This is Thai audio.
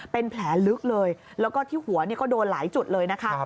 เป็นแผลลึกเลยแล้วก็ที่หัวก็โดนหลายจุดเลยนะคะ